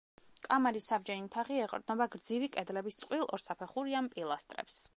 კამარის საბჯენი თაღი ეყრდნობა გრძივი კედლების წყვილ ორსაფეხურიან პილასტრებს.